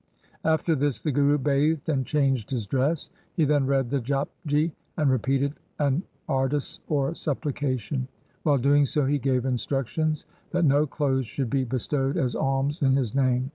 After this the Guru bathed and changed his dress. He then read the Japji and repeated an Ardas or supplication. While doing so, he gave instruc tions that no clothes should be bestowed as alms in his name.